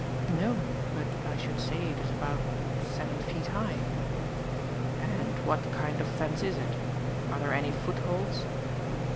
"No, but I should say it is about seven feet high." "And what kind of fence is it? Are there any footholds?"